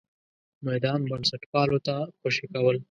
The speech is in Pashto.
میدان بنسټپالو ته خوشې کول.